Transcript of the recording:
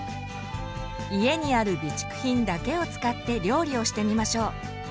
家にある備蓄品だけを使って料理をしてみましょう。